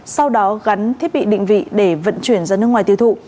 sau đó gắn thiết bị định vị để vận chuyển ra nước ngoài tiêu thụ